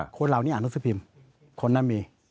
คนเหล่านี้อ่านหนังสือพิมพ์คนนั้นมี